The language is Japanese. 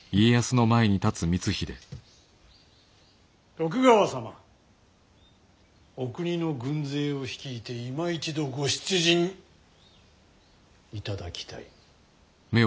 徳川様お国の軍勢を率いていま一度ご出陣いただきたい。